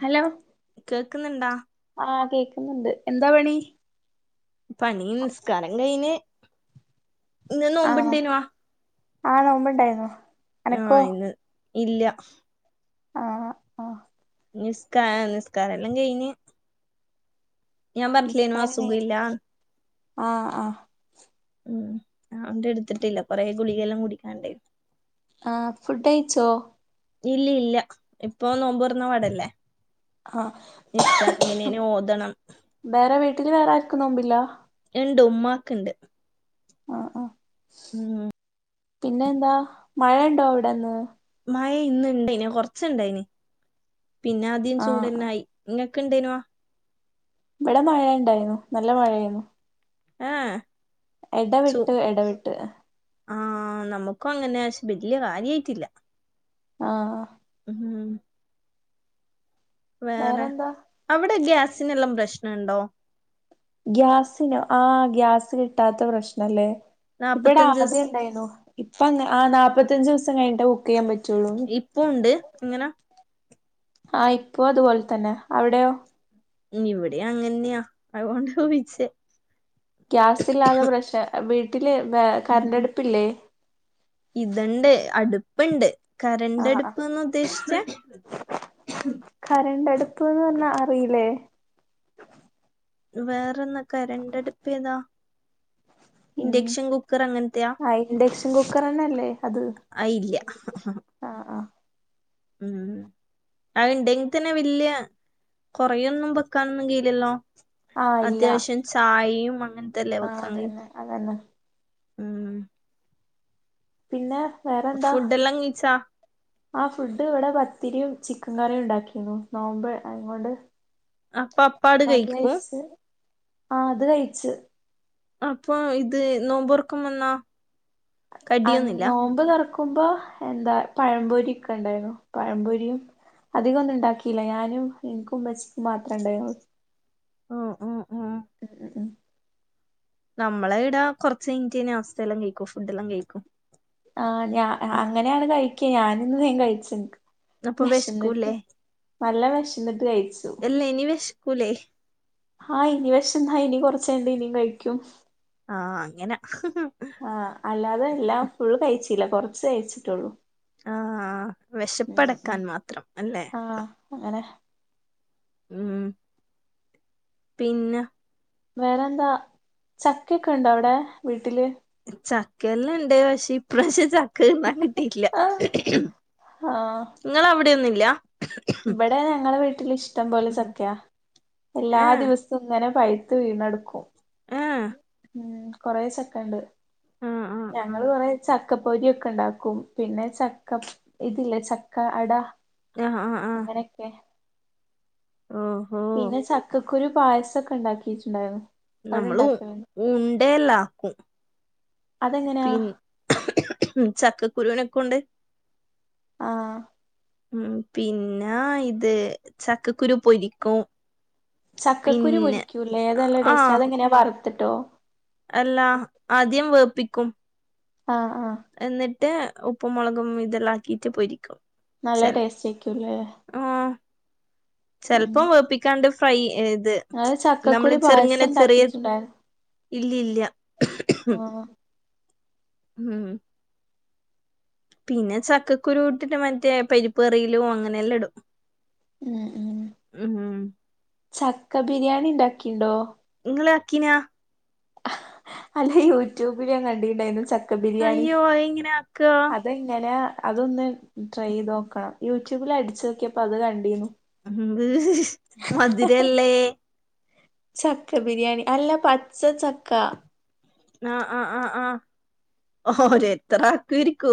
Hello കേൾക്കുന്നുണ്ടോ ആ കേക്കുന്നുണ്ട് എന്താ പണി പണീ നിസ്കാരം കഴിഞ്ഞ് ഇന്ന് നോമ്പിണ്ടേനുവാ ആ നോമ്പ്ട്ടായിരുന്നു ആഹ ഇന്ന് ഇല്ല ആഹ ആഹ നിസ്കാ നിസ്കാര എല്ലാം കഴഞ്ഞ് ഞാൻ പറഞ്ഞട്ടില്ലേന അ സുഖില്ല ആഹ ആഹ [unintelligible] എടുത്തിട്ടില്ല കൊറെേ ഗുളികെല്ലാം കുടിക്കുന്നുണ്ട് ആഹ ഫുഡ് അയച്ചോ ഇല്ല ഇല്ല ഇപ്പൊ നോമ്പ്ർന്ന പടല്ലേ ആഹ് നിസ്കാരംകഴിഞ് ഓതണം. വേറെ വീട്ടില് വേറെ ആർക്കും നോമ്പില്ല എന്റെ ഉമ്മാക്ക് ഇണ്ട് ആ ആ ഉം പിന്നെ എന്താ മഴ ഉണ്ടോ അവിടെന്ന് മായ ഇന്ന് ഇണ്ടായിന് കൊറച്ചുണ്ടായിന് പിന്നെ ആദ്യം ആഹ് ആഹ് ചൂട്ന്നായി ഇങ്ങക്ക ഇണ്ടേയിണേ ഇവിടെ മഴ ഉണ്ടായിരുന്നു നല്ല മഴ ആായിരുന്നു ആഹ ഇടവിട്ട് ഇടവിട്ട് ആഹ നമ്മുക്കും അങ്ങനെക്ഷെ വല്യ കാര്യയിട്ടില്ല ആഹ ഉം വേറെ വേറെന്താ അവിടെ ഗ്യാസി നുള്ള പ്രശ്നുണ്ടോ ഗ്യാസിനോ ആഹ് ഗ്യാസ് കിട്ടാത്ത പ്രശ്നല്ലേ ഇപ്പവിടെ നാപ്പത്തഞ്ച് സ് ആദ്യംഇണ്ടായിരുന്നു ഇപ്പ അങ്ങ് ആഹ് നാപ്പത്തഞ്ച് ദിവസം കഴിഞ്ഞിട്ട് ബു ഇപ്പൊ ഉണ്ട് ഇങ്ങന ആഹ് ഇപ്പൊ അതുപോലെ തന്നെ അവിടെയോ ഇവിടെ അങ്ങന്യാ അതുകൊണ്ടാ ചോയ്ച്ചേ ഗ്യാസ് ഇല്ലാതെ പ്രശ വീട്ടില് വേ കരണ്ടടുപ്പില്ലേ ഇതണ്ട് അടുപ്പ്ണ്ട് ആഹ് ആഹ് കരണ്ടടുപ്പ്ന്ന് ഉദ്ദേശിച്ചേ പ്പൊ പറ്ഞ്ഞാ അറിയില്ലേ വേറെന്നാ കരണ്ടടുപ്പേതാ ഇൻഡക്ഷൻ കുക്കറ് അങ്ങനത്തെയാ ആ ഇൻഡക്ഷൻ കുക്കറന്നല്ലേ അത് ആഹ് ആഹ് ഉം അത്ണ്ട്ങ്കി തന്നെ വല്ല്യാ കൊറേയൊന്നും വെക്കാനൊന്നും കയില്ലല്ലോ ആഹ് ഇല്ല അത്യാവശ്യം ചാഴയും ആഹ് അതന്നെ അതന്നെ ഉം പിന്നെ ഫുഡ് എല്ലാം കഴിച്ചോ ആ ഫുഡ് ഇവിടെ പത്തിരിയും ചിക്കൻ കറിയും ഉണ്ടാക്കിനു നോമ്പ് ആയങ്കോണ്ട് അപ്പ അപ്പാട് കഴിക്കും ആഹ് അത് കഴിച്ച് അപ്പൊ ഇത് നോമ്പൊറക്കുമ്പേന്നാ ആ നോമ്പ് തൊറ ക്കുമ്പോ എന്താ പഴംപൊരി ഒക്കെ ഉണ്ടായിരുന്നു പഴംപൊരിയും അധികം ഒന്നും ഉണ്ടാക്കിയില്ല ഞാനും എനിക്കും ഉമ്മച്ചിക്കും മാത്രം ഇണ്ടായൊ ഓഹ് ഉം ഉം ഉം നമ്മളെവിടെ കൊറച്ചയിഞ്ഞ്ട്ടെ നാസ്തെല്ലാം കഴിക്കു ഫുഡെല്ലാം കഴിക്കൂ ആഹ് ഞ അങ്ങനെയാണ് കഴിക്ക ഞാനിന്ന് വേം കഴിച്ച്ന്ന്ക്ക് അപ്പൊ വെശക്കൂല്ലേ വെശന്നിട്ട് നല്ല വെശന്നിട്ട് കഴിച്ചു ക്കുലേ ആഹ് ഇനി വെശന്നാ ഇനി കൊറച്ചഴിഞ്ഞിട്ട് ഇനിം കഴിക്കും ആഹ് അങ്ങനെ ആഹ് അല്ലാതെ അല്ല ഫുള് കഴിച്ച് ല്ല കൊറച്ച് കഴ്ച്ചിട്ടുള്ളൂ ആഹ് ഉം വെശപ്പടക്കാൻ മാത്രം അല്ലെ ആഹ് അങ്ങനെ ഉം പിന്നെ വേറെന്താ ചക്കയൊക്കണ്ടോ അവിടെ വീട്ടില് ചക്കെല്ലാണ്ട് പക്ഷേ ഇപ്രാവശ്യം ചക്ക തിന്നാൻ കിട്ടിട്ടില്ല ആഹ് നിങ്ങള അവിടെന്നുല്ല ഇവിടെ ഞങ്ങളെ വീട്ടിൽ ഇഷ്ടം പോലെ ഏഹ് ചക്കയാ എല്ലാ ഏഹ് ദിവസെങ്ങനെ പൈത്ത് വീണടുക്കും ആഹ് ഉം കൊറെ ചക്കെണ്ട് ആഹ് ആഹ് ഞങ്ങള് കുറെ ചക്കപ്പൊരിയൊക്കെണ്ടാക്കും പിന്നെ ചക്ക ഇതില്ലേ ചക്ക അട ആഹ് ആഹ് ആഹ് അങ്ങനെയൊക്കെ ഓഹോ പിന്നെ ചക്കക്കുരു പായസൊക്കെ ഉണ്ടാക്കിട്ടുണ്ടായിരുന്നു നമ്മള് ഉണ്ടല്ലാക്കും അതെങ്ങനെയാ പിന് ചക്കക്കുരുവിനെകൊണ്ട് ആഹ് ഉം പിന്നാ ഇത് ചക്കക്കുരു പൊരിക്കും ചക്കക്കുരു പിന്നെ പൊരിക്കൂലേ അത് നല്ല ടേസ്റ്റ് അതെങ്ങനെയാ വറുത്തിട്ടോ? അല്ലാ ആദ്യം വേപ്പിക്കും ആഹ് ആഹ് ട്ട് ഉപ്പും മുളകും ഇതെല്ലാം ആക്കിയിട്ട് പൊരി ക്കും നല്ല ചെല് ടേസ്റ്റ് ആയിരിക്കുംല്ലേ ആഹ് ഉം ചെല്പ്പം വേപ്പിക്കാണ്ട് ഫ്രൈ ഇത് ഞങ്ങള് ചക്കക്കുരു നമ്മള് പായസം ചെറിങ്ങനെ ചെറിയ ഉണ്ടാക്കിട്ടുണ്ടായിരുന്നു ഇല്ലയില്ല ആഹ് ഉം പിന്നെ ചക്കക്കുരു ഇട്ടിട്ട് മറ്റേ പരിപ്പേറിയിലും അങ്ങനെ എല്ലാം ഇടും ഉം ഉം ഉ ഉ ചക്ക ബിരിയാണി ഉണ്ടാക്കിണ്ടോ? നിങ്ങള് ആക്കീനാ? അല്ല യൂട്യൂബിൽ ഞാൻ കണ്ടിട്ടുണ്ടായിരുന്നു ചക്ക ബിരിയാണി അയ്യോ അതെങ്ങനെ ആക്കാ അതെങ്ങനെ? അതൊന്ന് ട്രൈ ചെയ്ത് നോക്കണം യൂട്യൂബിൽ അടിച്ചു നോക്കിയപ്പോ അത് കണ്ടിനു ഉം മധുരല്ലേ ചക്ക ബിരിയാണി അല്ല പച്ച ചക്ക ആ ആ ആ ആ ഓര് എത്ര ആക്കി ഇരിക്കൂ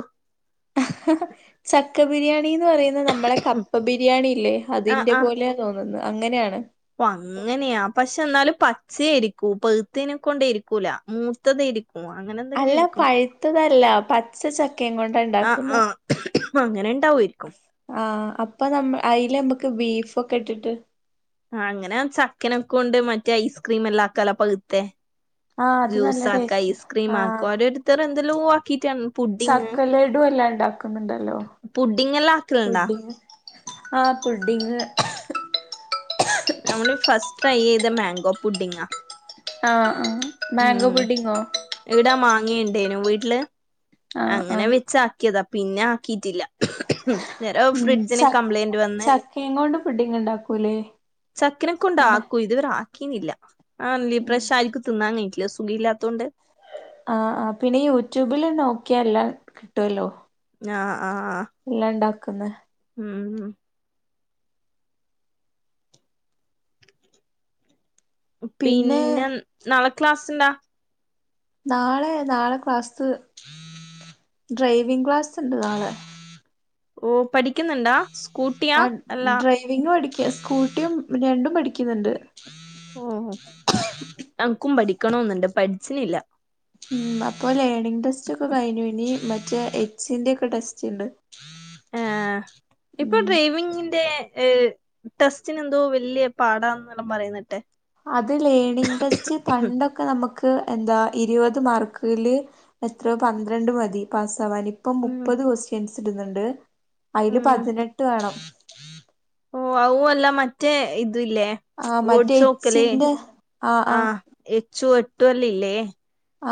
ചക്ക ബിരിയാണി ണിന്ന് പറയുന്നത് നമ്മളെ കപ്പ ബിരിയാണിന്ന് ആഹ് അതിൻന്റെ ആഹ് പോലെയ തോന്നുന്നത് അങ്ങനെയാണ് അങ്ങനെയാ പക്ഷെ എന്നാലും പച്ചരിക്കൂ പഴുത്തിനെ കൊണ്ട ഇരിക്കൂല മൂത്തതരിക്ക ഓ അങ്ങനെ എന്തെങ്കെയ അല്ല ആരിക്കും പഴുത്തതല്ല പച്ച ചക്കയും കൊണ്ടാ ആ ആ ഉണ്ടാക്കുന്നെ ആ അപ്പ നമ്മ അതില് നമ്മുക്ക് ബീഫൊക്കെ ഇട്ടിട്ട് ആ അങ്ങനെ ചക്കനൊക്കെ കൊണ്ട് മറ്റേ ഐസ്ക്രീം എല്ലാക്കല്ല പഴുത്തെ ആ അത് നല്ല ജ്യൂസ് ആക്ക ടേസ്റ്റ് ഐസ്ക്രീം ആക്കോ ഓരോരുത്തരു എന്തെലും ചക്കലടു എല്ലാം ഉണ്ടാക്കുന്നുണ്ടല്ലോ പുഡിങ് എല്ലാം ആക്കലുണ്ടാ പഡും ആ പുഡിങ് നമ്മള് ഫസ് ട്രൈയ്യേയുത മാങ്കോ പുട്ടിങ്ങ് ആ ആ മാങ്കോ ബുഡിങ്ങോ? എവിടാ മാങ്ങിയുണ്ടേനു വീട്ടില് ആഹ് അങ്ങനെ ആഹ് വെച്ചാക്കിയത്പ്പ പിന്നെ ആക്കിട്ടില്ല നേരെ ഉ ച ഫ്രിഡ്ജിന് കംപ്ലൈന്റ് വന്ന് ചക്കയുംയും കൊണ്ട് പുഡിങ് ഉണ്ടാക്കൂലേ? ചക്കനൊക്കെ ഉണ്ട അല്ല ആക്കൂ ഇത് വരെ - ക്കില്ല ആ ഇപ്രാവശ്യം ആരിക്കും തിന്നാൻ കഴിട്ടില്ല സുഖം ഇല്ലാത്തൊണ്ട് ആ ആ പിന്നെ യൂട്യൂബില് നോക്കിയാ എല്ലാം കിട്ടുവല്ലോ ആഹ് ആഹ് ഇല്ല ഇണ്ടാക്കുന്ന ഉം പിന്നെ നാളെ ക്ലാസ്സ്ട്ടാ നാളെ നാളെ ക്ലാസ്സ്ത്ത് ഡ്രൈവിംഗ ക്ലാസ്സ് ഉണ്ട് നാളെ ഓ പഠിക്കുന്നുണ്ടാ സ്കൂട്ടിയാ ആഹ് അല്ലാ ഡ്രൈവിംഗ് പഠിക്ക സ്കൂട്ടിയും രണ്ടും പഠിക്കുന്നുണ്ട് ഓ എനക്കും പഠിക്കണ ഒന്നുണ്ട് പഠിച്ചിനില്ല ഉ അപ്പൊ ലേണിംഗ ടെസ്റ്റ് ഒക്കെ കഴിഞ്ഞു ഇനി മറ്റേ എക്സിന്റെ ഒക്കെ ടെസ്റ്റ് ഉണ്ട് ആ ഇപ്പൊ ഉം ഡ്രൈവിങ്ങിന്റെ ഏ ടെസ്റ്റന് എന്തോ വലിയ പാടാന്ന്ല്ലാം പറയുന്നട്ടെ അത് ലേണിങ്ങ് ടെസ്റ്റ് പണ്ടൊക്കെ നമുക്ക് എന്താ ഇരുപത് മാർക്കില് എത്ര പന്ത്രണ്ട് മതി പാസ് സവാൻ ഇപ്പം ഉം മുപ്പത് കൊസ്റ്റ്യൻസ് ഇട്ന്ന്ണ്ട് അയ്ല് ഉം പതിനെട്ട് വേണം ഓ അ അല്ല മറ്റേ ഇത് ഇല്ലേ ആ മറ്റേ ഓടച്ച് നോക്കലേ എച്ചിന്റെ ആ എച്ചു എട്ടും എല്ലു ഇല്ലേ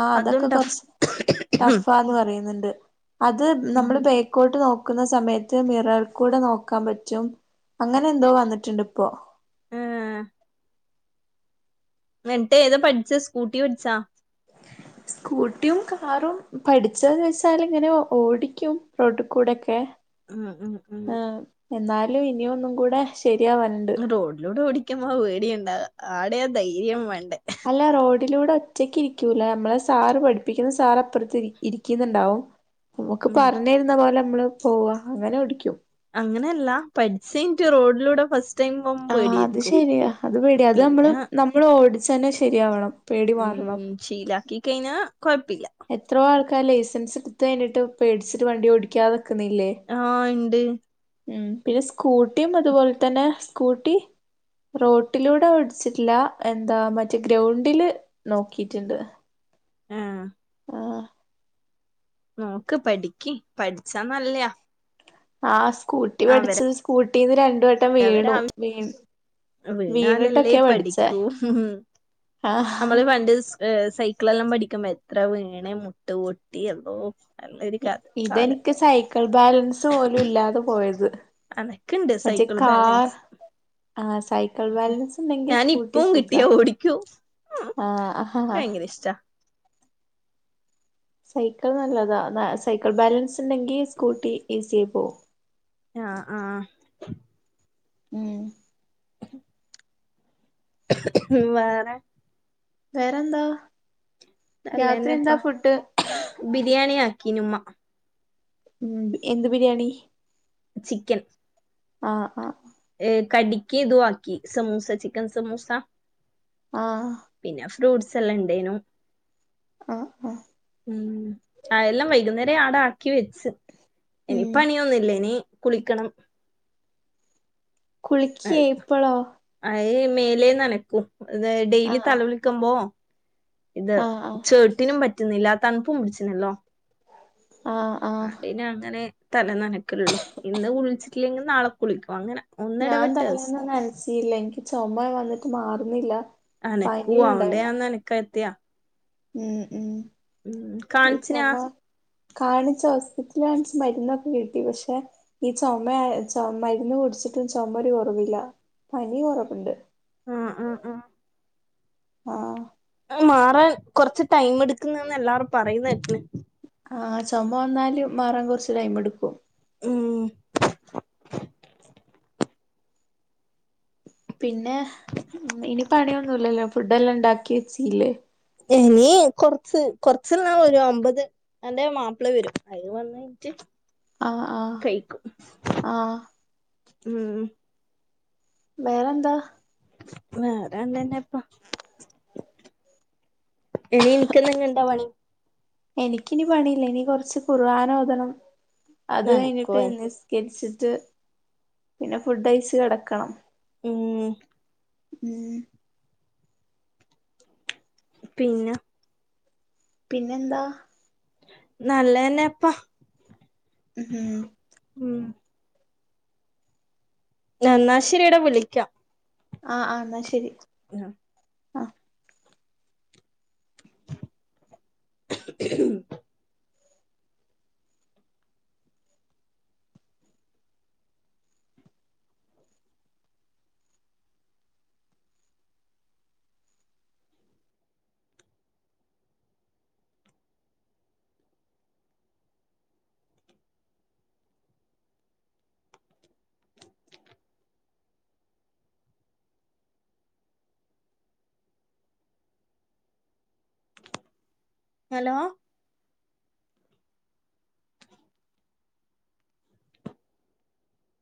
ആ അതും അതൊക്കെ കൊറച്ച് ടഫ് ടഫാന്ന് പറയുന്നുണ്ട് അത് നമ്മള് ബേക്കോട്ട് നോക്കുന്ന സമയത്ത് മിറൽ കൂടെ നോക്കാൻ പറ്റും അങ്ങനെ എന്തോ വന്നിട്ടുണ്ട് ഇപ്പോ ആഹ് വിട്ട ഏതാ പഠിച്ച സ്കൂട്ടി പഠിച്ചാ ഉ സ്കൂട്ടിയും കാറും പഠിച്ചന്ന് ചച്ചാൽ ഇങ്ങനെ ഓടിക്കും റോഡിൽ കൂടെൊക്കെ ഉം ഉം ഉം എന്നാലും ഇനിയ ഒന്നും കൂടെ ശരിയാവാനണ്ട് ആ വേടിയുണ്ടാവ ആടെ ആ ധൈര്യം വണ്ട ഉച്ചക്ക് ഇരിക്കൂല നമ്മളെ സാറ് പഠിപ്പിക്കുന്ന സാർ അപ്പുറത്ത് ഇരിക്കുന്നുണ്ടാവും നമ്മുക്ക് ഉം പറഞ്ഞിരുന്ന പോലെ നമ്മള് പോവാ അങ്ങനെ കുടിക്കും അങ്ങനെയല്ല പഠിച്ച റോഡിലൂടെ ഫസ്റ്റ് ടൈം ആ പോകുമ്പോ അത് പേടിയായിരിക്കും ശരിയാ അത് പേടിയ അത് നമ്മള് പിന്നെ നമ്മൾ ഓടച്ചു തന്നെ ശരിയാവണം പേടി ഉം മാറണം ശീലാക്കി കഴിഞ്ഞ കൊഴപ്പില്ല ക്ക ആ ലൈസൻസ് എടു കഴിഞ്ഞ്ട്ട് വണ്ടി ഓടിക്കാതെ നിക്കുന്നില്ലേ ആഹ ഉണ്ട് ഉം പിന്നെ സ്കൂട്ടിയും അതുപോലെ തന്നെ സ്കൂട്ടി റോട്ടിലൂടെ പഠിച്ചിട്ടില്ല എന്താ മറ്റേ ഗ്രൗണ്ടില് നോക്കിട്ടുണ്ട് ആഹ് നോക്ക് പഠിക്കി പഠിച്ചാ നല്ലയാ ആഹ സ്കൂട്ടി പഠിച്ചത് സ്കൂട്ടിന്ന് രണ്ടു വട്ടം അവരവരെ വീണു ആവശ്യ വീണു വീണാലല്ലേ പഠിക്കൂ ആഹ് നമ്മള് പണ്ട് സൈ സൈകിളെല്ലാം പഠിക്കുമ്പോ എത്ര വീണേ മുട്ട് പൊട്ടി എല്ലോ നല്ലൊരു കാല് ഇതെനിക്ക് സൈക്കിൾ ൾ ബാലൻസ് പോലും ഇല്ലാതെ പോയത് അനക്ക്ണ്ട് മറ്റേ സൈക്കിൾ കാർ ബാലൻസ് ആഹ സൈക്കിൾ ബാലൻസ് ഉണ്ടെങ്കിൽ സ്കൂട്ടി ഞാനിപ്പം സുഖാ കിട്ടിയാ ഓടിക്കും ആഹ് ആഹാ ആ ഭയങ്കര ഇഷ്ടാ സൈക്കിൾ നല്ലതാ സൈക്കിൾ ബാലൻസ് ഉണ്ടെങ്കി സ്കൂട്ടി ഈസി ആയി പോവും ആഹ ആഹ് ഉം വേറെ വേറെന്താ രാത്രി എന്താ നല്ലന്നെപ്പാ ഫുഡ് ബിരിയാണി ആക്കി ഉമ്മ ഉം എന്ത് ബിരിയാണി ചിക്കൻ ആഹ് ആഹ് ഏ കടക്കി ഇതു ആക്കി സമൂസ ചിക്കൻ സമൂസ ആഹ് പിന്നെ ഫ്രൂട്ട്സ് എല്ലാം ഉണ്ടായിരുന്നു ആഹ് ആഹ് അത് എല്ലാം വൈകുന്നേരം ആട ആക്കി വെച്ച് ഇനി ഉം പണിയൊന്നില്ല ഇനി കുളിക്കണം കുളിക്കിയേ ഇപ്പോളോ മേലെ നനക്കും ഡെയിലി ആഹ് തല വിളിക്കുമ്പോ ഇത് ആഹ് ആഹ് ചേട്ടിനും പറ്റുന്നില്ല തണുപ്പും പിടിച്ചുന്നല്ലോ ആഹ് ആഹ് ആണ്ടന്നെ അങ്ങനെ തല നനക്കള്ളു ഇന്ന് കുളിച്ചിട്ടില്ലെങ്കിൽ നാളെ കുളിക്കും അങ്ങനെ ഞാൻ ഒന്നിടവിട്ട് ദിവസം തലേന്നൊന്ന ന്നനചില്ല എനിക്ക് ചുമ വന്നിട്ട് മാറുന്നില്ല അനക്കൂ പനിയുണ്ടായിരുന്നു അവണ്ടയാന്ന് എനിക്ക് എത്തിയാ ഉം ഉ കാണിച്ചിനാ ചുമ കാണിച്ചോ ഹോസ്പി ത്തി മരുന്നൊക്കെ കിട്ടി പക്ഷെ ഈ ചുമ മരുന്ന് കുടിച്ചിട്ടും ചുമ ഒരു കുറവും പനി കൊറവുണ്ട് ആഹ് ആഹ് ആഹ് ആഹ് മാറാൻ കൊറച്ച് ടൈം എടുക്കുന്നന്ന് എല്ലരും പറയുന്നട്ടെ ആ ചുമ വന്നല് മാറാൻ കുറച്ച് ടൈമ് എടുക്കും ഉം പിന്നെ ഇനി പണിയൊന്നുമല്ലല്ലോ ഫുഡ് എല്ലാം ഉണ്ടാക്കി വെച്ചീല്ലേ ഇനി കൊറച്ച് കൊറച്ച് ഒരു അമ്പത് എന്റെ മാപ്പിള വരും അ വന്നിട്ട് ആഹ് ആഹ് കൈക്കും ആഹ് ഉം വേറന്താ വേറെണ്ടന്നെ ഇപ്പൊ ഇനി ഇനിക്കന്ത എങ്ങ ഇണ്ടാവാണേ എനിക്കിനനി പണിയില്ല ഇനി കൊറച്ച് കുറുവാനോതണം അത് കഴിഞ്ഞിട്ട് നനക്കുവേ നിസ്കരിച്ചിട്ട് പിന്നെ ഫുഡ് ഐസ് കിടക്കണം ഉം മ പിന്നെ പിന്നെ എന്താ നല്ലന്നെപ്പാ ഹം നന്നാശരിട വിളിക്കാം ആഹ് ആ എന്നാ ശരി ആ ആഹ് [unintelligible] ഹലോ